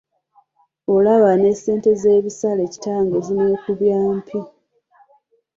Olaba n’essente z'ebisale kitange zimwekubya mpi!